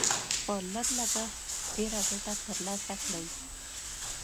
په لږ لګښت ډېره ګټه تر لاسه کړئ.